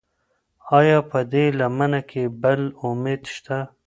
ایا په دې لمنه کې بل امید شته؟